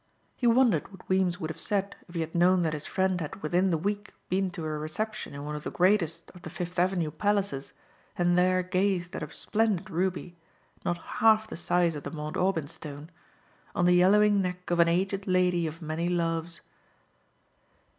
He wondered what Weems would have said if he had known that his friend had within the week been to a reception in one of the greatest of the Fifth Avenue palaces and there gazed at a splendid ruby not half the size of the Mount Aubyn stone on the yellowing neck of an aged lady of many loves.